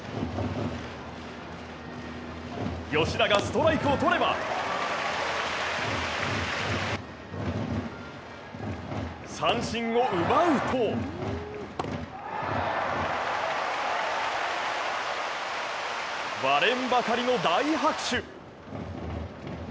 吉田がストライクを取れば三振を奪うと割れんばかりの大拍手。